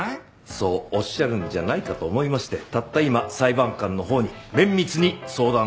そうおっしゃるんじゃないかと思いましてたった今裁判官のほうに綿密に相談をして参りました。